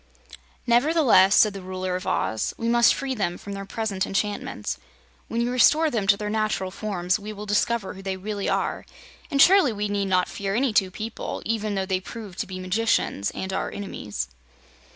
"Nevertheless," said the Ruler of Oz, "we must free them from their present enchantments. When you restore them to their natural forms we will discover who they really are, and surely we need not fear any two people, even though they prove to be magicians and our enemies."